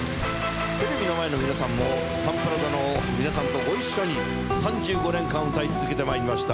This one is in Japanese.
テレビの前の皆さんもサンプラザの皆さんとご一緒に３５年間歌い続けてまいりました